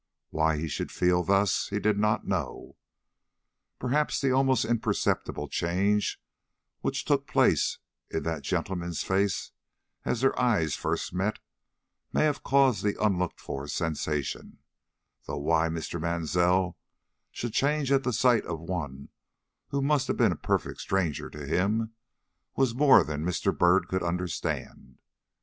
Why he should feel thus he did not know. Perhaps the almost imperceptible change which took place in that gentleman's face as their eyes first met, may have caused the unlooked for sensation; though why Mr. Mansell should change at the sight of one who must have been a perfect stranger to him, was more than Mr. Byrd could understand.